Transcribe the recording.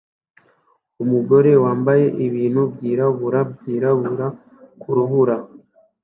Umugore wambaye ibintu byirabura byirabura kurubura